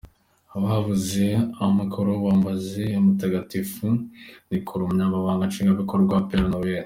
Ababuze amikoro biyambaze Mutagatifu Nikola, Umunyamabanga Nshingwabikorwa wa Père Noël.